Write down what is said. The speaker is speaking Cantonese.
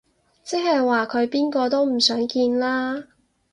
即係話佢邊個都唔想見啦